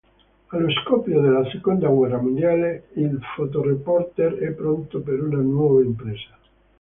Allo scoppio della Seconda guerra mondiale, il fotoreporter è pronto per una nuova impresa.